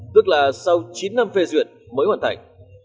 tức là sau chín năm phê duyệt mới hoàn thành